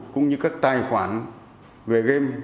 cũng như các tài khoản về game